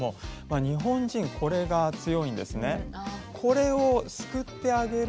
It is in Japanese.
日本人これが強いんですね。